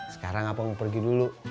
sekarang apa mau pergi dulu